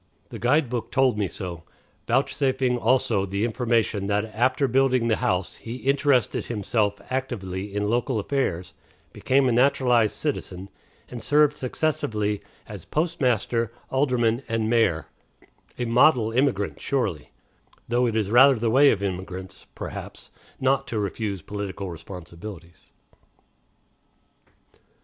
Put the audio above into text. The guide book told me so, vouchsafing also the information that after building the house he "interested himself actively in local affairs, became a naturalized citizen, and served successively as postmaster, alderman, and mayor" a model immigrant, surely, though it is rather the way of immigrants, perhaps, not to refuse political responsibilities.